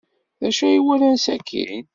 D acu ay walan sakkin?